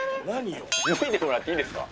脱いでもらっていいですか？